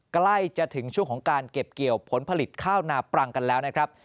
ใกล้จะถึงช่วงของการเก็บเกี่ยวผลผลิตข้าวนาปรังกันแล้วนะครับ